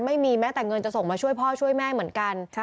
ไม่มีแม้แต่เงินจะส่งมาช่วยพ่อช่วยแม่เหมือนกัน